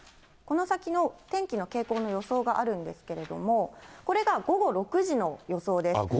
この先の天気の傾向の予想があるんですけれども、これが午後６時の予想です。